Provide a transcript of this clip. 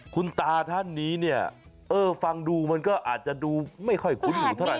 คุณตาท่านนี้เนี่ยเออฟังดูมันก็อาจจะดูไม่ค่อยคุ้นหูเท่าไ